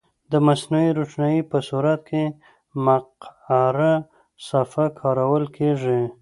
د مصنوعي روښنایي په صورت کې مقعره صفحه کارول کیږي.